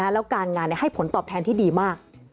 แล้วการงานให้ผลตอบแทนที่ดีมาก